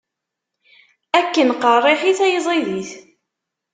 Akken qeṛṛiḥit ay ẓidit.